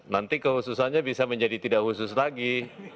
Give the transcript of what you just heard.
nanti kehususannya bisa menjadi tidak khusus lagi